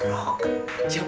bang gino pengen tahan